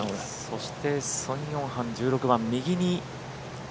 そしてソン・ヨンハン１６番、右に。